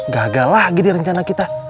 gagal lagi di rencana kita